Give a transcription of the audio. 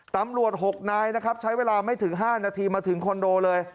ตำรวจ๖นายนะครับใช้เวลาไม่ถึง๕นาทีมาถึงคอนโดเลย